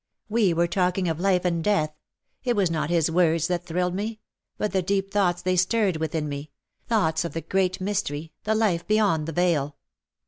''" We were talking of life and death. It was not his words that thrilled me ; but the deep thoughts they stirred within me — thoughts of the great mystery — the life beyond the veil.